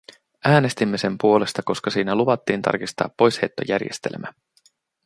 Äänestimme sen puolesta, koska siinä luvattiin tarkistaa poisheittojärjestelmä.